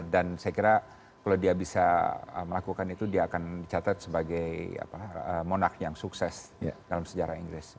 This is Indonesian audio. dan saya kira kalau dia bisa melakukan itu dia akan dicatat sebagai monarch yang sukses dalam sejarah inggris